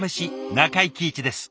中井貴一です。